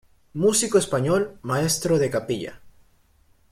Músico español, maestro de capilla.